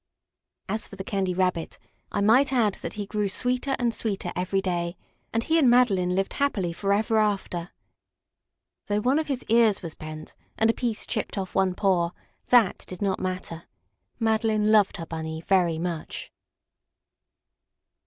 As for the Candy Rabbit, I might add that he grew sweeter and sweeter each day, and he and Madeline lived happily forever after. Though one of his ears was bent, and a piece chipped off one paw, that did not matter. Madeline loved her Bunny very much.